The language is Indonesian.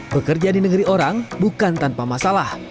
bekerja di negeri orang bukan tanpa masalah